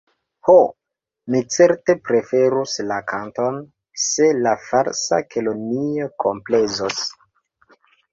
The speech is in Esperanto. Ho, mi certe preferus la kanton, se la Falsa Kelonio komplezos.